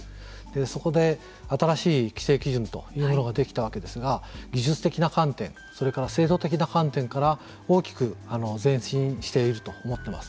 そこで新しい規制基準というものができたわけですが技術的な観点それから制度的な観点から大きく前進していると思っています。